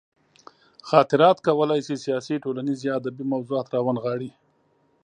خاطرات کولی شي سیاسي، ټولنیز یا ادبي موضوعات راونغاړي.